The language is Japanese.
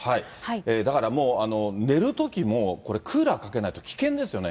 だからもう、寝るときもこれ、クーラーかけないと危険ですよね。